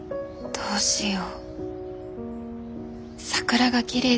どうしよう。